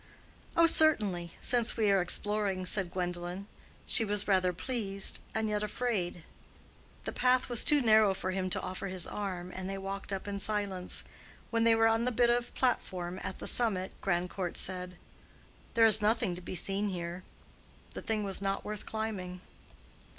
"Oh, certainly—since we are exploring," said Gwendolen. She was rather pleased, and yet afraid. The path was too narrow for him to offer his arm, and they walked up in silence. When they were on the bit of platform at the summit, Grandcourt said, "There is nothing to be seen here: the thing was not worth climbing."